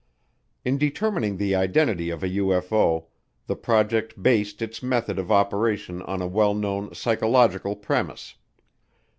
In determining the identity of a UFO, the project based its method of operation on a well known psychological premise.